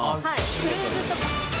クルーズとか。